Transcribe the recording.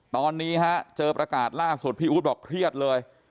ตอนนี้ฮะเจอประกาศล่าสุดพี่อู๊ดบอกเครียดเลย